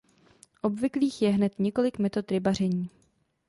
Obvyklých je hned několik metod rybaření.